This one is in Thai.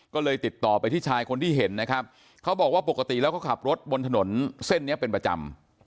ก็เลยติดต่อไปที่ชายคนที่เห็นนะครับเขาบอกว่าปกติแล้วเขาขับรถบนถนนเส้นนี้เป็นประจำ